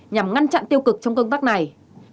nhằm ngăn chặn tiêu cực trong công tác này